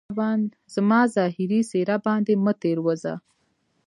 زما ظاهري څهره باندي مه تیروځه